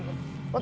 私？